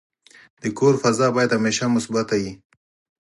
د کور فضا باید همیشه مثبته وي.